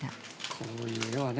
こういう絵はね